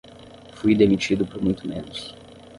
Fui demitido por muito menos